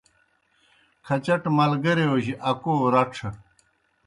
کھچٹہ ملگیریو جیْ اکو رڇھہ